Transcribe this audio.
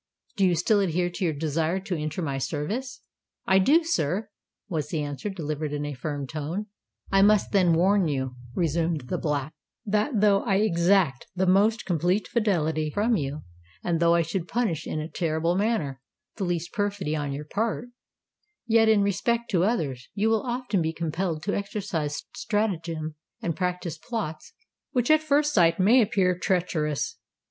Do you still adhere to your desire to enter my service?" "I do, sir," was the answer, delivered in a firm tone. "I must then warn you," resumed the Black, "that though I exact the most complete fidelity from you—and though I should punish, in a terrible manner, the least perfidy on your part,—yet, in respect to others, you will often be compelled to exercise stratagem and practise plots which at first sight may appear treacherous.